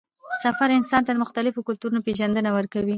سفر انسان ته د مختلفو کلتورونو پېژندنه ورکوي